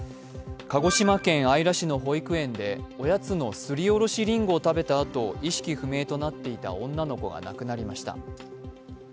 鹿児島県姶良市の保育園でおやつのすりおろしりんごを食べたあと意識不明となっていた女の子が亡くなりました。